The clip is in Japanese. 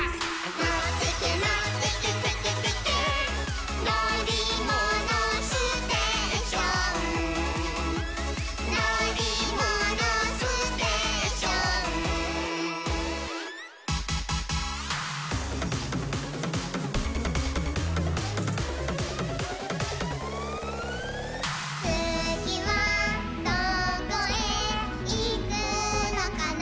「のってけのってけテケテケ」「のりものステーション」「のりものステーション」「つぎはどこへいくのかな」